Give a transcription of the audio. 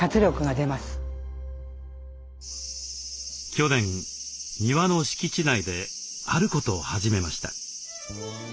去年庭の敷地内であることを始めました。